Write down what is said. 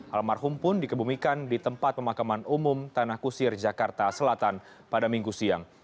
almarhum pun dikebumikan di tempat pemakaman umum tanah kusir jakarta selatan pada minggu siang